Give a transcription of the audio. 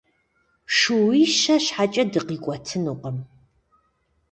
Шууищэ щхьэкӀэ дыкъикӀуэтынукъым.